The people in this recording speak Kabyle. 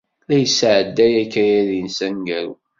La yesɛedday akayad-nnes ameggaru.